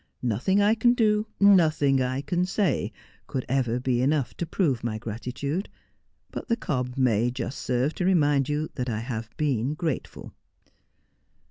Nothing I can do, nothing I can say, could ever be enough to prove my gratitude ; but the cob may just serve to remind you that I have been grateful.'